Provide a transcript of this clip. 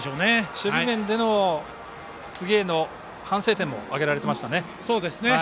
守備面での次への反省点も挙げられていました。